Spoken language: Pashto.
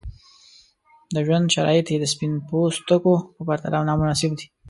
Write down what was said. د ژوند شرایط یې د سپین پوستکو په پرتله نامناسب دي.